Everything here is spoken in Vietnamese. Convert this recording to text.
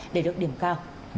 để được điểm cao